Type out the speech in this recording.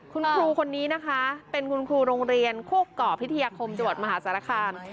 คุณครูคนนี้นะคะเป็นคุณครูโรงเรียนโคกเกาะพิทยาคมจังหวัดมหาสารคาม